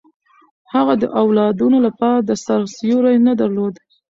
هغه د اولادونو لپاره د سر سیوری نه درلود.